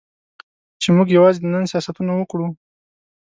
چې موږ یوازې د نن سیاستونه وکړو.